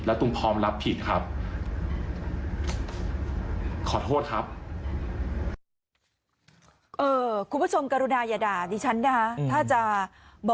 ตุ้มพร้อมรับผิดครับ